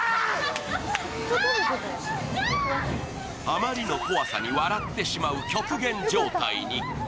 あまりの怖さに笑ってしまう極限状態に。